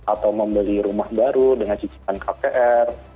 atau membeli rumah baru dengan cicilan kpr